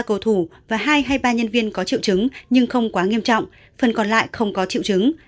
ba cầu thủ và hai hay ba nhân viên có triệu chứng nhưng không quá nghiêm trọng phần còn lại không có triệu chứng